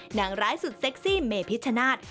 นางร้ายสุดเซ็กซี่เมพิชชนาธิ์